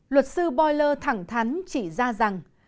luật sư boyle thẳng thắn chỉ ra rằng